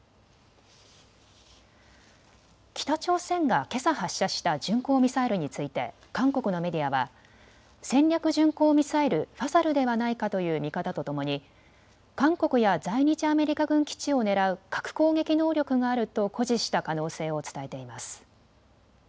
北朝鮮がけさ発射した巡航ミサイルについて韓国のメディアは戦略巡航ミサイル、ファサルではないかという見方とともに韓国や在日アメリカ軍基地を狙う核攻撃能力があると誇示した可能性を伝えています。